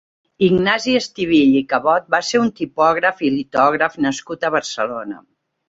Ignasi Estivill i Cabot va ser un tipògraf i litògraf nascut a Barcelona.